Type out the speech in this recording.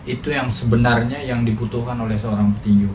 itu yang sebenarnya yang dibutuhkan oleh seorang tinju